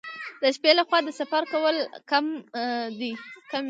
د شپې لخوا د سفر کول کم وي.